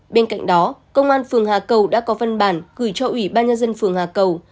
bên cạnh đó công an phường hà cầu đã có văn bản gửi cho ủy ban nhân dân phường hà cầu